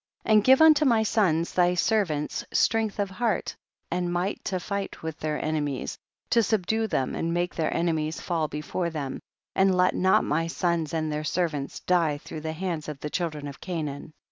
15. And give unto my sons, thy servants, strength of heart and might to fight with their enemies, to subdue them, and make their enemies fall before them, and let not my sons and their servants die through the hands of the children of Canaan, 16.